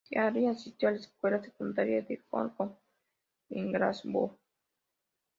Healy asistió a la escuela secundaria de Holyrood, en Glasgow.